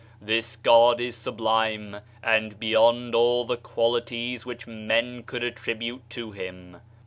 This God is sublime, and beyond all the qualities which men could attribute to him!